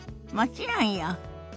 もちろんよ。